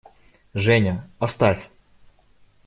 Женя, оставь!